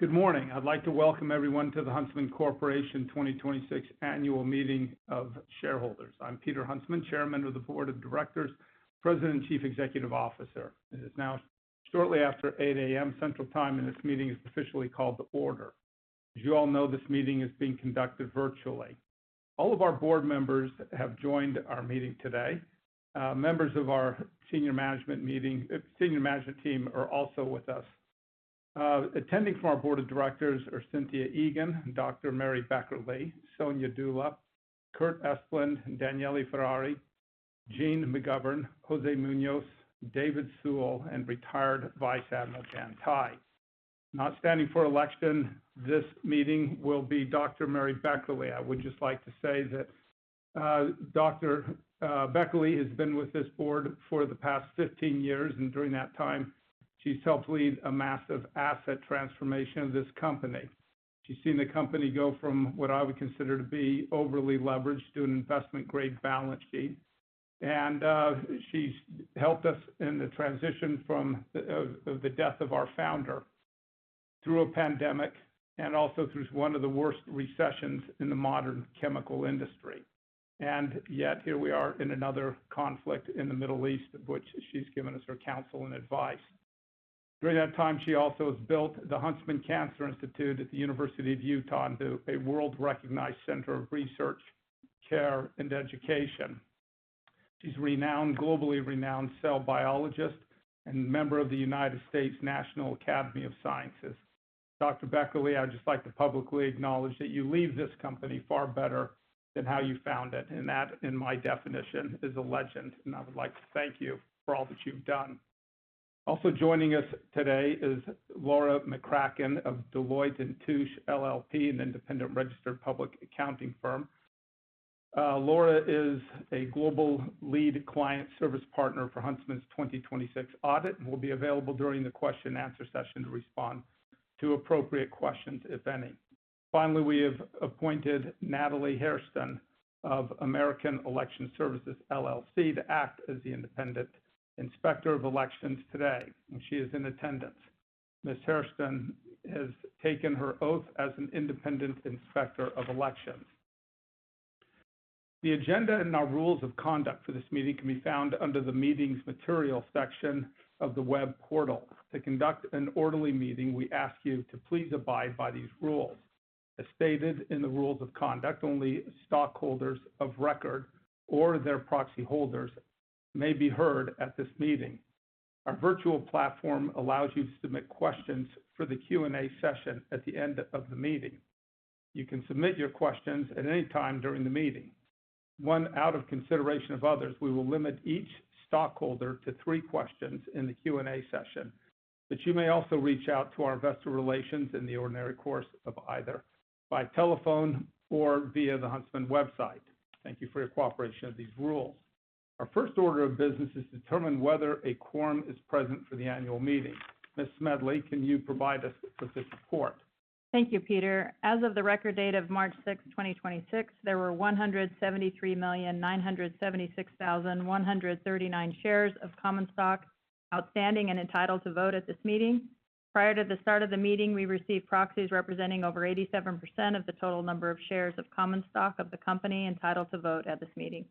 Good morning. I'd like to welcome everyone to the Huntsman Corporation 2026 Annual Meeting of Shareholders. I'm Peter Huntsman, Chairman of the Board of Directors, President and Chief Executive Officer. It is now shortly after 8:00 A.M. Central Time, and this meeting is officially called to order. As you all know, this meeting is being conducted virtually. All of our board members have joined our meeting today. Members of our senior management team are also with us. Attending from our Board of Directors are Cynthia Egan, Dr. Mary Beckerle, Sonia Dulá, Curt Espeland, Daniele Ferrari, Jeanne McGovern, José Muñoz, David Sewell, and Retired Vice Admiral Jan Tighe. Not standing for election this meeting will be Dr. Mary Beckerle. I would just like to say that Dr. Beckerle has been with this board for the past 15 years. During that time, she's helped lead a massive asset transformation of this company. She's seen the company go from what I would consider to be overly leveraged to an investment-grade balance sheet. She's helped us in the transition from the death of our founder, through a pandemic, and also through one of the worst recessions in the modern chemical industry. Yet, here we are in another conflict in the Middle East, of which she's given us her counsel and advice. During that time, she also has built the Huntsman Cancer Institute at the University of Utah into a world-recognized center of research, care, and education. She's renowned, globally renowned cell biologist and member of the U.S. National Academy of Sciences. Dr. Beckerle, I'd just like to publicly acknowledge that you leave this company far better than how you found it, and that, in my definition, is a legend, and I would like to thank you for all that you've done. Also joining us today is Laura McCracken of Deloitte & Touche LLP, an independent registered public accounting firm. Laura is a global lead client service partner for Huntsman's 2026 audit and will be available during the question and answer session to respond to appropriate questions, if any. Finally, we have appointed Natalie Hairston of American Election Services LLC to act as the independent inspector of elections today, and she is in attendance. Ms. Hairston has taken her oath as an independent inspector of elections. The agenda and our rules of conduct for this meeting can be found under the Meetings Material section of the web portal. To conduct an orderly meeting, we ask you to please abide by these rules. As stated in the rules of conduct, only stockholders of record or their proxy holders may be heard at this meeting. Our virtual platform allows you to submit questions for the Q&A session at the end of the meeting. You can submit your questions at any time during the meeting. one. Out of consideration of others, we will limit each stockholder to three questions in the Q&A session. You may also reach out to our investor relations in the ordinary course of either by telephone or via the Huntsman website. Thank you for your cooperation of these rules. Our first order of business is to determine whether a quorum is present for the annual meeting. Ms. Smedley, can you provide us with this report? Thank you, Peter. As of the record date of March 6, 2026, there were 173,976,139 shares of common stock outstanding and entitled to vote at this meeting. Prior to the start of the meeting, we received proxies representing over 87% of the total number of shares of common stock of the company entitled to vote at this meeting.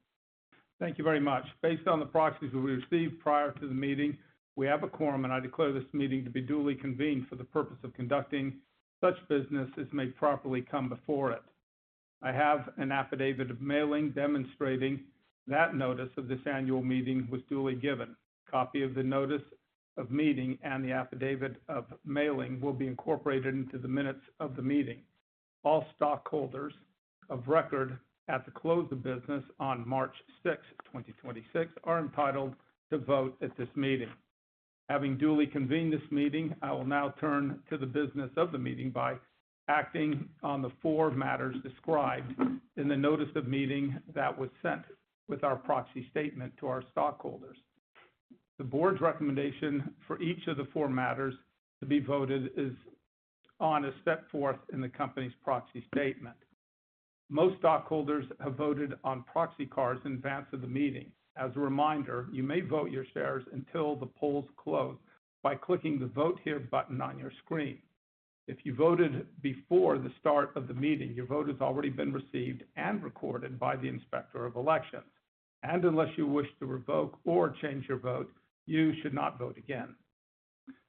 Thank you very much. Based on the proxies that we received prior to the meeting, we have a quorum, and I declare this meeting to be duly convened for the purpose of conducting such business as may properly come before it. I have an affidavit of mailing demonstrating that notice of this annual meeting was duly given. Copy of the notice of meeting and the affidavit of mailing will be incorporated into the minutes of the meeting. All stockholders of record at the close of business on March 6, 2026 are entitled to vote at this meeting. Having duly convened this meeting, I will now turn to the business of the meeting by acting on the 4 matters described in the notice of meeting that was sent with our proxy statement to our stockholders. The board's recommendation for each of the four matters to be voted is on as set forth in the company's proxy statement. Most stockholders have voted on proxy cards in advance of the meeting. As a reminder, you may vote your shares until the polls close by clicking the Vote Here button on your screen. If you voted before the start of the meeting, your vote has already been received and recorded by the Inspector of Elections. Unless you wish to revoke or change your vote, you should not vote again.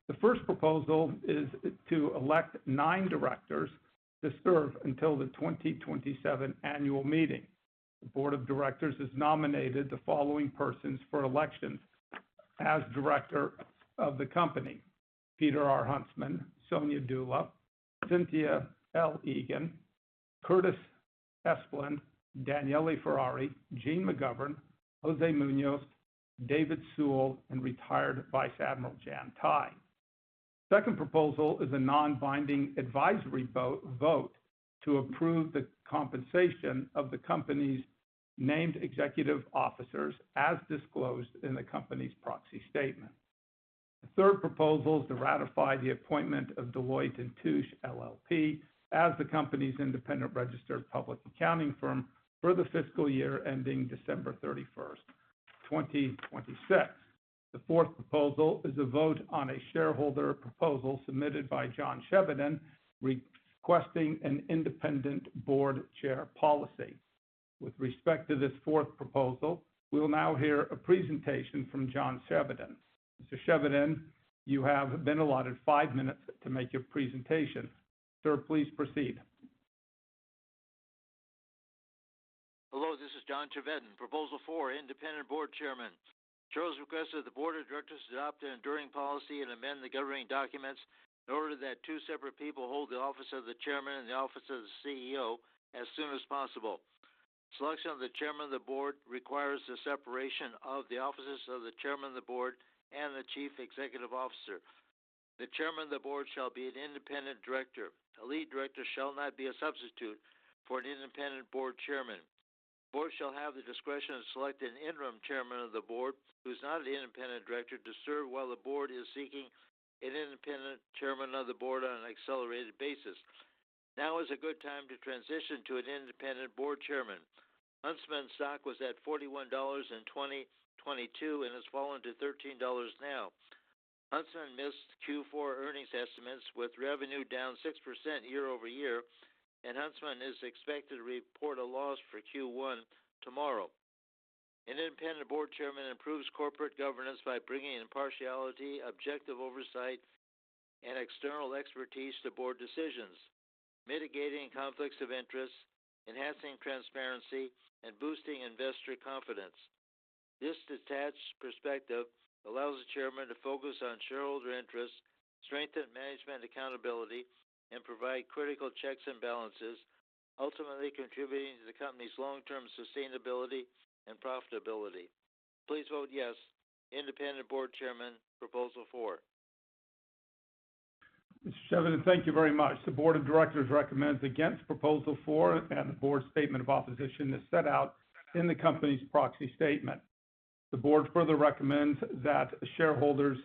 The first proposal is to elect nine directors to serve until the 2027 annual meeting. The board of directors has nominated the following persons for election as director of the company: Peter R. Huntsman, Sonia Dulá, Cynthia L. Egan, Curtis E. Espeland, Daniele Ferrari, Jeanne McGovern, José Muñoz, David Sewell, and Retired Vice Admiral Jan E. Tighe. Second proposal is a non-binding advisory vote to approve the compensation of the company's named executive officers as disclosed in the company's proxy statement. The third proposal is to ratify the appointment of Deloitte & Touche LLP as the company's independent registered public accounting firm for the fiscal year ending December 31st, 2026. The fourth proposal is a vote on a shareholder proposal submitted by John Chevedden, requesting an independent board chair policy. With respect to this fourth proposal, we will now hear a presentation from John Chevedden. Mr. Chevedden, you have been allotted five minutes to make your presentation. Sir, please proceed. Hello, this is John Chevedden. Proposal four, independent Board Chairman. Shareholders requested the board of directors to adopt an enduring policy and amend the governing documents in order that two separate people hold the office of the Chairman and the office of the CEO as soon as possible. Selection of the Chairman of the Board requires the separation of the offices of the Chairman of the Board and the Chief Executive Officer. The Chairman of the Board shall be an independent Director. A Lead Director shall not be a substitute for an independent Board Chairman. Board shall have the discretion to select an interim Chairman of the Board, who's not an independent Director, to serve while the Board is seeking an independent Chairman of the Board on an accelerated basis. Now is a good time to transition to an independent Board Chairman. Huntsman stock was at $41 in 2022 and has fallen to $13 now. Huntsman missed Q4 earnings estimates, with revenue down 6% year-over-year. Huntsman is expected to report a loss for Q1 tomorrow. An independent board chairman improves corporate governance by bringing impartiality, objective oversight, and external expertise to board decisions, mitigating conflicts of interest, enhancing transparency, and boosting investor confidence. This detached perspective allows the chairman to focus on shareholder interests, strengthen management accountability, and provide critical checks and balances, ultimately contributing to the company's long-term sustainability and profitability. Please vote yes, independent board chairman, proposal four. Mr. Chevedden, thank you very much. The board of directors recommends against proposal four, and the board statement of opposition is set out in the company's proxy statement. The board further recommends that shareholders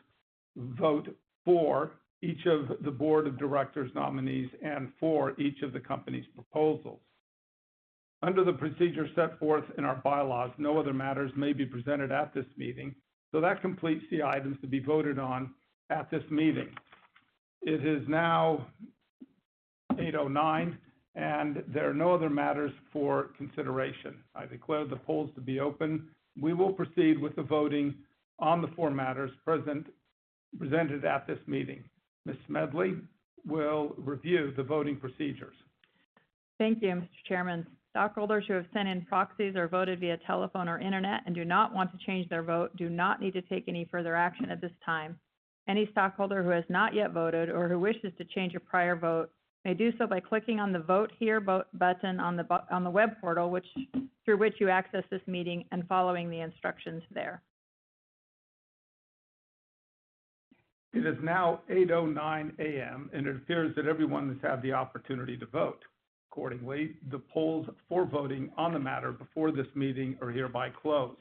vote for each of the board of directors nominees and for each of the company's proposals. Under the procedure set forth in our bylaws, no other matters may be presented at this meeting, that completes the items to be voted on at this meeting. It is now 8:09 A.M., and there are no other matters for consideration. I declare the polls to be open. We will proceed with the voting on the four matters presented at this meeting. Amy Smedley will review the voting procedures. Thank you, Mr. Chairman. Stockholders who have sent in proxies or voted via telephone or internet and do not want to change their vote do not need to take any further action at this time. Any stockholder who has not yet voted or who wishes to change a prior vote may do so by clicking on the Vote Here button on the web portal, which, through which you accessed this meeting, and following the instructions there. It is now 8:09 A.M., and it appears that everyone has had the opportunity to vote. Accordingly, the polls for voting on the matter before this meeting are hereby closed.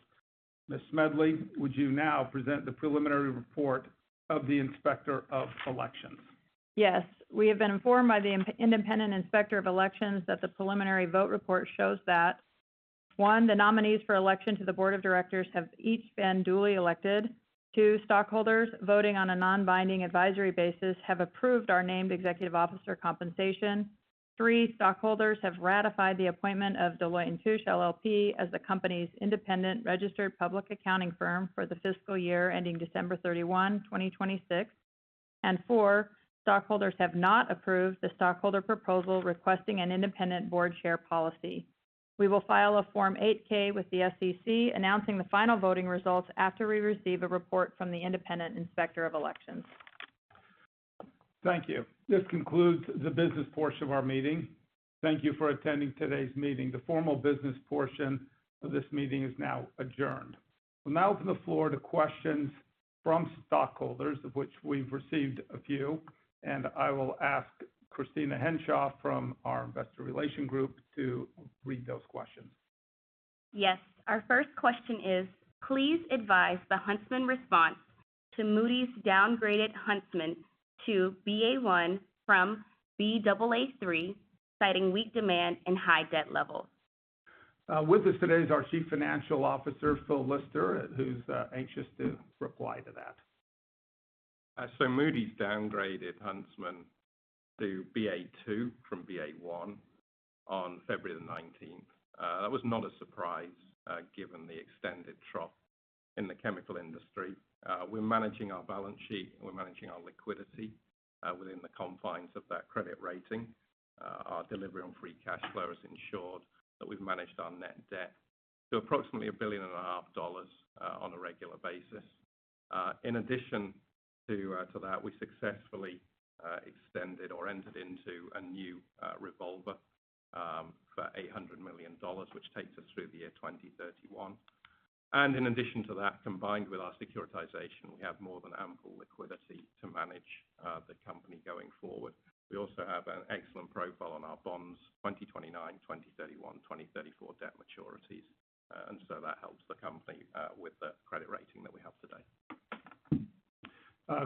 Mrs. Smedley, would you now present the preliminary report of the Inspector of Elections? Yes. We have been informed by the independent Inspector of Elections that the preliminary vote report shows that, one, the nominees for election to the board of directors have each been duly elected. two, stockholders voting on a non-binding advisory basis have approved our named executive officer compensation. three, stockholders have ratified the appointment of Deloitte & Touche LLP as the company's independent registered public accounting firm for the fiscal year ending December 31, 2026. four, stockholders have not approved the stockholder proposal requesting an independent board chair policy. We will file a Form 8-K with the SEC announcing the final voting results after we receive a report from the independent Inspector of Elections. Thank you. This concludes the business portion of our meeting. Thank you for attending today's meeting. The formal business portion of this meeting is now adjourned. We will now open the floor to questions from stockholders, of which we have received a few, and I will ask Kristina Henshaw from our investor relation group to read those questions. Yes. Our first question is, Please advise the Huntsman response to Moody's downgraded Huntsman to Ba1 from Baa3, citing weak demand and high debt levels. With us today is our Chief Financial Officer, Phil Lister, who's anxious to reply to that. Moody's downgraded Huntsman to Ba2 from Ba1 on February the 19th. That was not a surprise, given the extended trough in the chemical industry. We're managing our balance sheet, and we're managing our liquidity, within the confines of that credit rating. Our delivery on free cash flow is insured, but we've managed our net debt to approximately $1.5 billion on a regular basis. In addition to that, we successfully extended or entered into a new revolver for $800 million, which takes us through the year 2031. In addition to that, combined with our securitization, we have more than ample liquidity to manage the company going forward. We also have an excellent profile on our bonds, 2029, 2031, 2034 debt maturities. That helps the company, with the credit rating that we have today.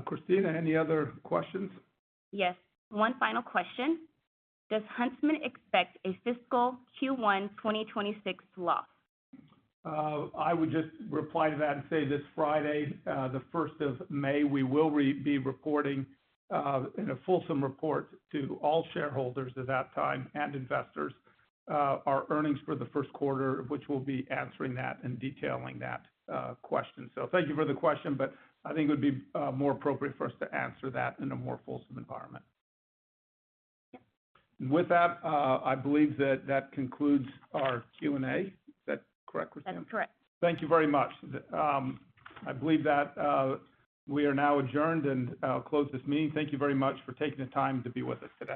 Kristina, any other questions? Yes, one final question. Does Huntsman expect a fiscal Q1 2026 loss? I would just reply to that and say this Friday, the 1st of May, we will be reporting, in a fulsome report to all shareholders at that time, and investors, our earnings for the 1st quarter, which we'll be answering that and detailing that, question. Thank you for the question, I think it would be, more appropriate for us to answer that in a more fulsome environment. Yes. With that, I believe that that concludes our Q&A. Is that correct, Kristina? That's correct. Thank you very much. The, I believe that we are now adjourned, and I'll close this meeting. Thank you very much for taking the time to be with us today.